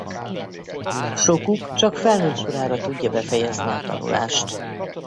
Sokuk csak felnőttkorára tudja befejezni a tanulást.